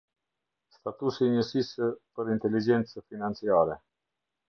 Statusi i Njësisë për Inteligjencë Financiare.